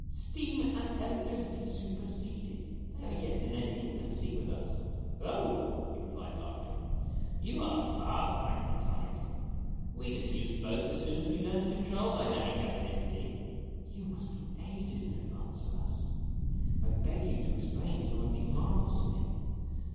"Steam and electricity superseded? They are yet in their infancy with us !" "Oh," he replied, laughing, "you are far behind the times. We disused both as soon as we learned to control dynamic atomicity." " You must be ages in advance of us. I beg you to explain some of these marvels to me."